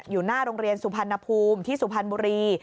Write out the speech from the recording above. อยู่หน้าโรงเรียนสุพรรณภูมิที่สุพรรณบุรี